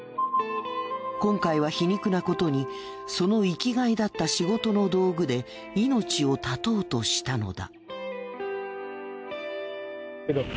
今回は皮肉なことにその生きがいだった仕事の道具で命を絶とうとしたのだ。